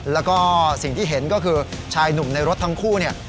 แล้วก็สิ่งที่เห็นก็คือชายหนุ่มในรถทั้งคู่เนี่ย